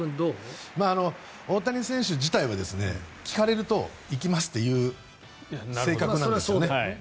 大谷選手自体は聞かれると行きますって言う性格なんですよね。